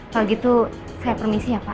kalau gitu saya permisi ya pak